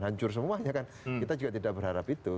hancur semuanya kan kita juga tidak berharap itu